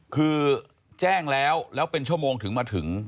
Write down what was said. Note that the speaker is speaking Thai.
คือแจ้งแล้วแล้วเป็นชั่วโมงถึงมาถึง